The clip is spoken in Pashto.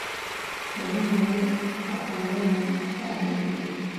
وړې وړې غونډۍ هم ښکارېدې.